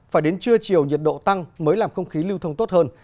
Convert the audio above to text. phải đến trưa chiều nhiệt độ tăng mới làm không khí lưu thông tốt hơn